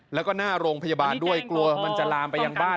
แล้วก็หน้าโรงพยาบาลด้วยกลัวมันจะลามไปยังบ้าน